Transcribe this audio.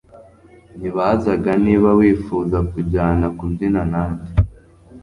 nibazaga niba wifuza kujyana kubyina nanjye